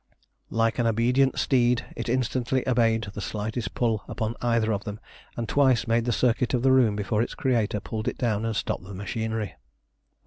Like an obedient steed, it instantly obeyed the slightest pull upon either of them, and twice made the circuit of the room before its creator pulled it down and stopped the machinery.